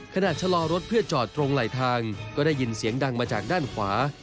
ก็ได้ยินเสียงดังมาจากด้านขวา